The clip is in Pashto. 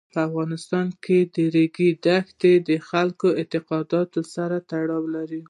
په افغانستان کې د ریګ دښتې د خلکو د اعتقاداتو سره تړاو لري.